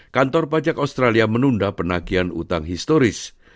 kantor pajak australia menunda penagihan utang historis